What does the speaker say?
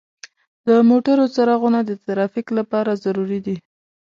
د موټرو څراغونه د ترافیک لپاره ضروري دي.